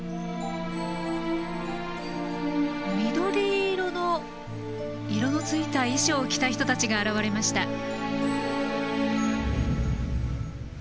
緑色の色がついた衣装を着た人たちが現れました。